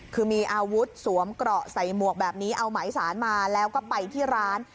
คือมีอาวุธสวมเกราะใส่หมวกแบบนี้เอาหมายสารมาแล้วก็ไปที่ร้าน